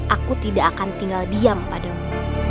aku tidak akan tinggal diam padamu